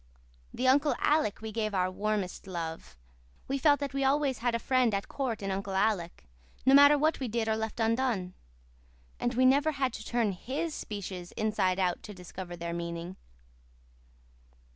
To Uncle Alec we gave our warmest love. We felt that we always had a friend at court in Uncle Alec, no matter what we did or left undone. And we never had to turn HIS speeches inside out to discover their meaning.